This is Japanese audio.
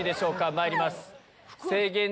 まいります。